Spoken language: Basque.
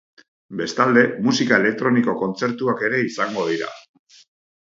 Bestalde, musika elektroniko kontzertuak ere izango dira.